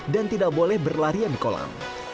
dan tidak boleh berlarian di kolam